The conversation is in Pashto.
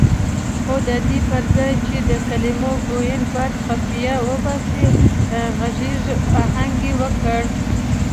خو ددې پرځای چې د کلمو بوین باد خفیه وباسي غږیز اهنګ یې ورکړ.